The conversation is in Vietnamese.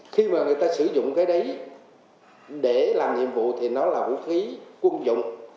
khi mà người ta sử dụng cái đấy để làm nhiệm vụ thì nó là vũ khí quân dụng